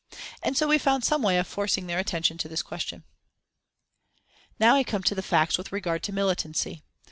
And so we found some way of forcing their attention to this question. "Now I come to the facts with regard to militancy.